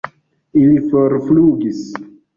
Ili forflugis.